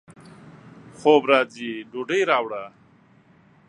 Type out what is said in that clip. خوب راځي ، ډوډۍ راوړه